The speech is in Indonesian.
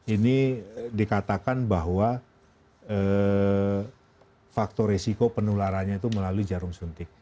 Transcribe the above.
ini dikatakan bahwa faktor resiko penularannya itu melalui jarum suntik